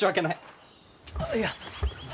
あっいや。